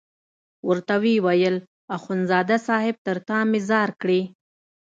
ورته ویې ویل اخندزاده صاحب تر تا مې ځار کړې.